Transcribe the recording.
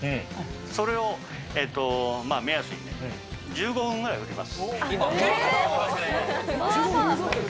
それを目安に１５分ぐらい振ります。